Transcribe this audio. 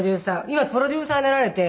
今プロデューサーになられて。